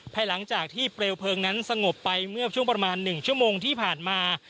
หลังจากที่เปลวเพลิงนั้นสงบไปเมื่อช่วงประมาณ๑ชั่วโมงที่ผ่านมา